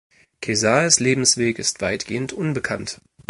Kesaers Lebensweg ist weitgehend unbekannt.